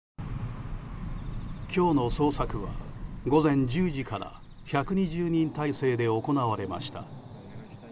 今日の捜索は午前１０時から１２０人態勢で行われました。